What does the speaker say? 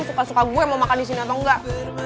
suka suka gue mau makan disini atau enggak